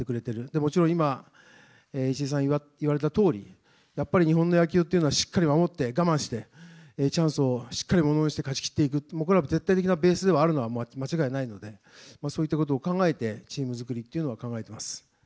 もちろん今、いしいさん言われたとおり、やっぱり日本の野球というのは、しっかり守って、我慢して、チャンスをしっかりものにして勝ち切っていく、これは絶対的なベースであるのは間違いないので、そういったことを考えて、チーム作りっていうのを考えてます。